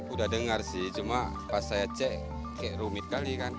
udah dengar sih cuma pas saya cek kayak rumit kali kan